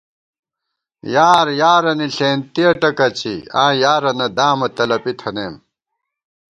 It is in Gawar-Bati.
یار یارَنی ݪېنتِیَہ ٹکَڅی، آں یارَنہ دامہ تلَپی تھنَئیم